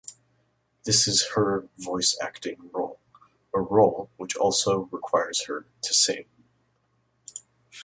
This is her voice acting role, a role which also requires her to sing.